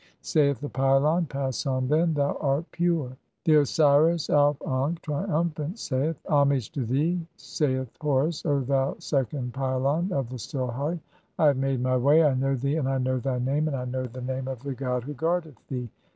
[Saith the pylon :—] "Pass on, then, thou art pure." II. (5) "The Osiris Auf ankh, triumphant, saith :— "Homage to thee, saith Horus, O thou second pylon of the "Still Heart. I have made [my] way. I know thee, and I know "thy name, and I know (6) the name of the god .who guardeth "thee.